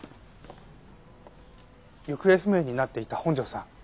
行方不明になっていた本庄さん